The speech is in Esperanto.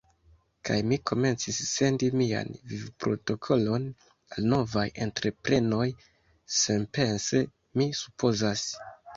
Kaj mi komencis sendi mian vivprotokolon al novaj entreprenoj, senpense, mi supozas.